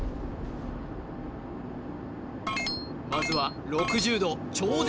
まずは６０度超絶